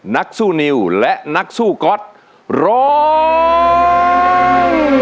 นักสู้นิวและนักสู้ก๊อตร้อง